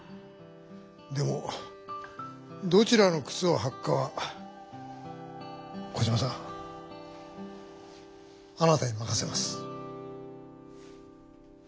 でもどちらのくつをはくかはコジマさんあなたに任せます。